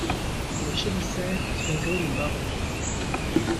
Les chélicères sont jaune-marron.